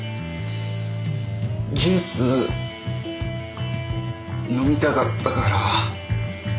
ジュース飲みたかったから。